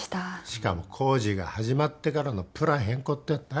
しかも工事が始まってからのプラン変更って誰だ？